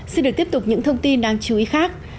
xin được tiếp tục những thông tin đáng chú ý khác